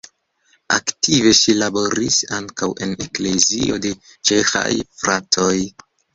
Aktive ŝi laboris ankaŭ en Eklezio de Ĉeĥaj Fratoj.